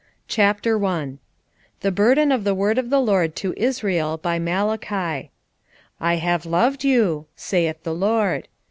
Malachi 1:1 The burden of the word of the LORD to Israel by Malachi. 1:2 I have loved you, saith the LORD.